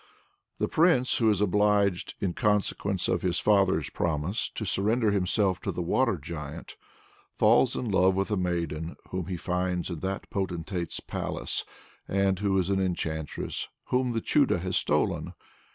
The Prince who is obliged, in consequence of his father's promise, to surrender himself to the Water Giant, falls in love with a maiden whom he finds in that potentate's palace, and who is an enchantress whom the Chudo has stolen.